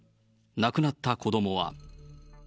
亡くなった子どもは。